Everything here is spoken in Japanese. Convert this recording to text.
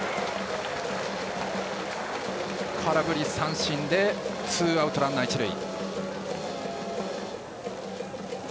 空振り三振でツーアウトランナー、一塁。